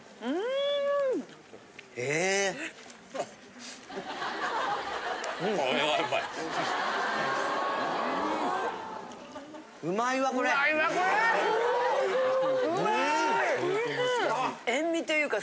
うまい！